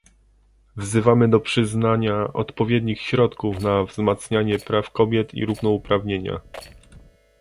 Wzywamy do przyznania odpowiednich środków na wzmacnianie praw kobiet i równouprawnienia